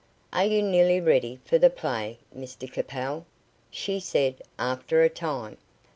"Are you nearly ready for the play, Mr Capel?" she said, after a time.